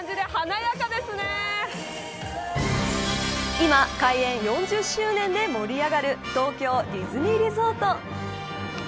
今、開園４０周年で盛り上がる東京ディズニーリゾート。